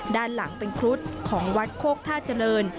ด้านหลังเป็นครุฑของวัดโคกท่าเจริญ